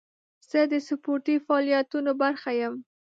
زه د سپورتي فعالیتونو برخه یم.